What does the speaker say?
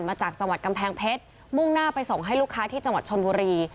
มาจากจังหวัดกำแพงเพชรมุ่งหน้าไปส่งให้ลูกค้าที่จังหวัดชนบุรี